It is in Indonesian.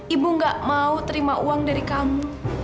ibu gak mau terima uang dari kamu